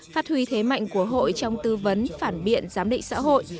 phát huy thế mạnh của hội trong tư vấn phản biện giám định xã hội